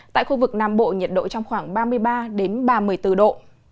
tại khu vực nam bộ nhiệt độ trong khoảng ba mươi ba ba mươi bốn độ